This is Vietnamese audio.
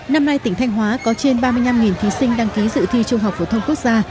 năm nay tỉnh thanh hóa có trên ba mươi năm thí sinh đăng ký dự thi trung học phổ thông quốc gia